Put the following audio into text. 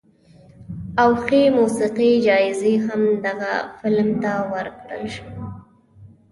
او ښې موسیقۍ جایزه هم دغه فلم ته ورکړل شوه.